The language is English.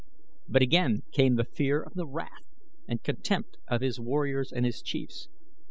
But again came the fear of the wrath and contempt of his warriors and his chiefs.